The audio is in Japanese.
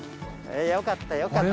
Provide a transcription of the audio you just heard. よかった、よかった。